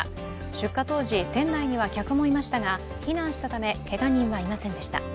出火当時、店内には客もいましたが避難したためけが人はいませんでした。